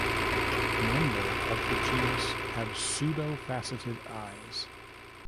Member of the genus have pseudofaceted eyes.